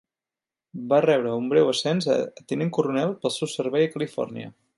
Va rebre un breu ascens a tinent coronel pel seu servei a Califòrnia.